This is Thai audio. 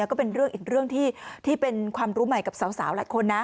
แล้วก็เป็นเรื่องอีกเรื่องที่เป็นความรู้ใหม่กับสาวหลายคนนะ